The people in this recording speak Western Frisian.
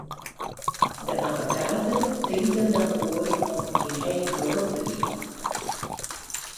De abbekate tinkt der dan oer om yn heger berop te gean.